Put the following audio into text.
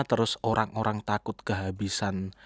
terus orang orang takut kehabisan